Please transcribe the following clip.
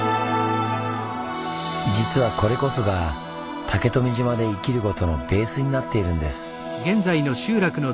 実はこれこそが竹富島で生きることのベースになっているんです。